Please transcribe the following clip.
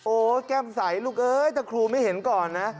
แก้มใสลูกเอ้ยแต่ครูไม่เห็นก่อนนะ